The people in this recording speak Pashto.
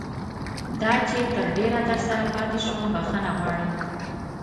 دا چې تر ډېره درسره پاتې شوم بښنه غواړم.